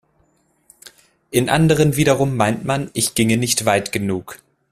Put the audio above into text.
In anderen wiederum meint man, ich ginge nicht weit genug.